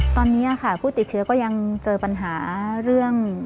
ตอนนี้ค่ะผู้ติดเชื้อก็ยังเจอปัญหาเรื่อง